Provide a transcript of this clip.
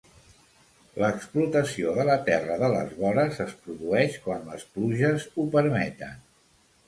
L'explotació de la terra de les vores es produeix quan les pluges ho permeten.